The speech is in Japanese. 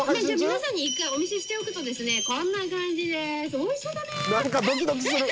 「じゃあ皆さんに一回お見せしておくとですねこんな感じです。